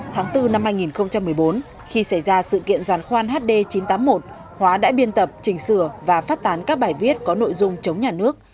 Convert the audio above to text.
tháng bốn năm hai nghìn một mươi bốn khi xảy ra sự kiện giàn khoan hd chín trăm tám mươi một hóa đã biên tập trình sửa và phát tán các bài viết có nội dung chống nhà nước